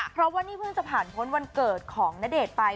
เพราะว่านี่เพิ่งจะผ่านพ้นวันเกิดของณเดชน์ไป